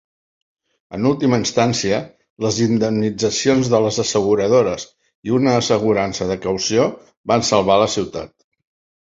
En última instància, les indemnitzacions de les asseguradores i una assegurança de caució van salvar la ciutat.